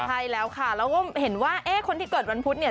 ใช่แล้วค่ะเราก็เห็นว่าคนที่เกิดในวันพุธเนี่ย